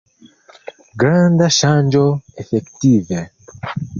Granda ŝanĝo, efektive.